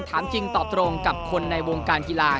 ถามจริงตอบตรงกับคนในวงการกีฬา